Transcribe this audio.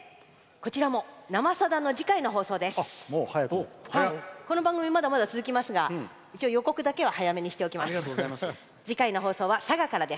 この番組、まだまだ続きますが一応、予告だけは早めにしておきます。